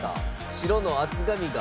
白の厚紙が。